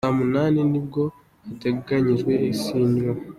Saa munani ni bwo hateganyijwe isinywa.